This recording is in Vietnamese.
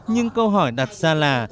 nhưng câu hỏi đặt ra là